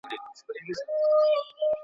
وئيل ئې دلته واړه د غالب طرفداران دي `